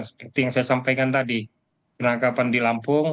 seperti yang saya sampaikan tadi penangkapan di lampung